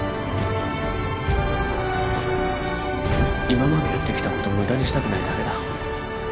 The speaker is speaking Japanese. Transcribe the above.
今までやってきたこと無駄にしたくないだけだ